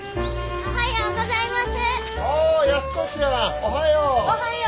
おはようございます。